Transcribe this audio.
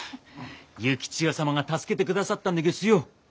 幸千代様が助けてくださったんでげすよ。